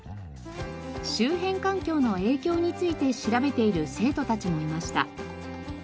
周辺環境の影響について調べている生徒たちもいました。